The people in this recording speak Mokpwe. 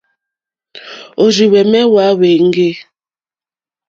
Òrzìhwɛ̀mɛ́́ hwá hwáŋɡè.